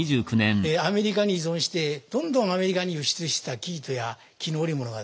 アメリカに依存してどんどんアメリカに輸出した生糸や絹織物がですね